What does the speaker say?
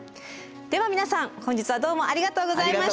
では皆さん本日はどうもありがとうございました。